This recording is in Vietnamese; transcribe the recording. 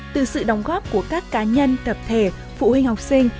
từ sự đóng góp của các cá nhân tập thể phụ huynh học sinh